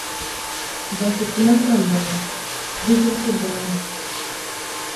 Buɣisi ti ma ka m bi niŋ, di zuɣu bɛ ku gbaai ma.